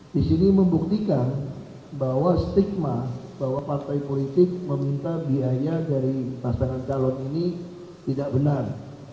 di sini membuktikan bahwa stigma bahwa partai politik meminta biaya dari pasangan calon ini tidak benar